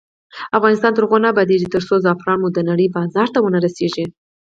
افغانستان تر هغو نه ابادیږي، ترڅو زعفران مو د نړۍ بازار ته ونه رسیږي.